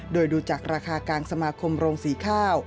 โดยดูจากราคากลางสมาคมโรงสีข้าว